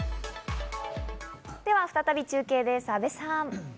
では再び中継です、阿部さん！